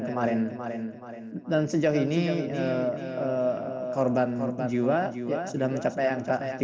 kemarin kemarin dan sejak ini korban korban jiwa jiwa sudah mencapai angka tiga puluh dari warga sipil